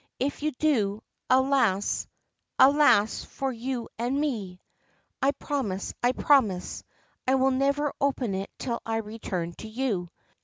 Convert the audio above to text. If you do alas I alas, for you and me 1 '' I promise, I promise. I will never open it till I return to you.'